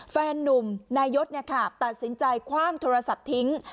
แฟนนุ่มนายศเนี่ยค่ะตัดสินใจความโทรศัพท์ทิ้ง